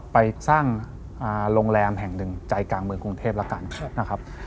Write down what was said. ไปสร้างโรงแรมแห่งหนึ่งใจกลางเมืองกรุงเทพแล้วกันนะครับ